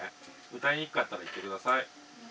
歌いにくかったら言ってください。